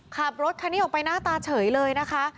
ขับรถคันนี้ออกไปหน้าตาเฉยเลยนะคะ